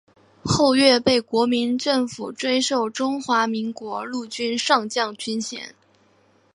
后岳被国民政府追授中华民国陆军上将军衔。